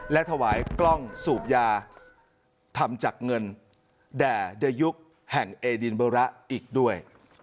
และถวายกล้องสูบยาทำจากเงินแด่เดอยุคแห่งเอดินเบอร์ระอีกด้วย